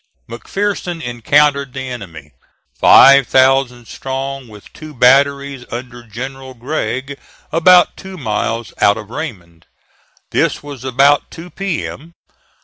McPherson encountered the enemy, five thousand strong with two batteries under General Gregg, about two miles out of Raymond. This was about two P.M.